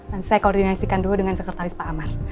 dan saya koordinasikan dulu dengan sekretaris pak amar